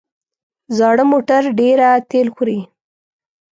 زاړه موټر ډېره تېل خوري.